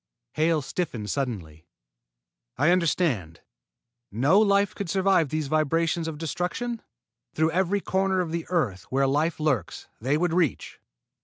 Hale stiffened suddenly. "I understand. No life could survive these vibrations of destruction? Through every corner of the earth where life lurks, they would reach?"